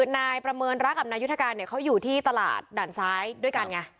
นายประเมินรักกับนายุทธการเนี่ยเขาอยู่ที่ตลาดด่านซ้ายด้วยกันไง